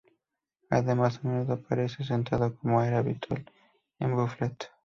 Además a menudo aparece sentado como era habitual en Blofeld.